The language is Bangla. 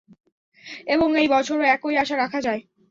এবং এই বছরও একই আশা রাখা যায়।